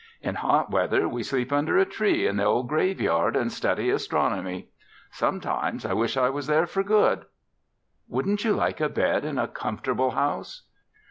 In hot weather, we sleep under a tree in the ol' graveyard an' study astronomy. Sometimes, I wish I was there for good." "Wouldn't you like a bed in a comfortable house?"